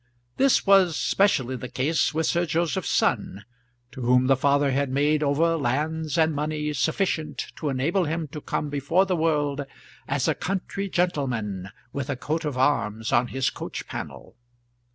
This was specially the case with Sir Joseph's son, to whom the father had made over lands and money sufficient to enable him to come before the world as a country gentleman with a coat of arms on his coach panel.